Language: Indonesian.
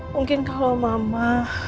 mungkin kalau mama